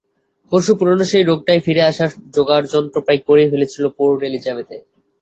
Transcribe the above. পরশু পুরোনো সেই রোগটাই ফিরে আসার জোগাড়যন্ত্র প্রায় করেই ফেলেছিল পোর্ট এলিজাবেথে।